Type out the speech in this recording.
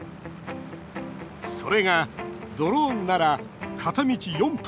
それが、ドローンなら片道４分。